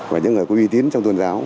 và những người có uy tín trong tôn giáo